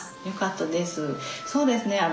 そうですね。